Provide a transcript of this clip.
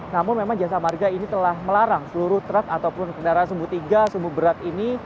namun memang jasa marga ini telah melarang seluruh truk ataupun kendaraan sumbu tiga sumbu berat ini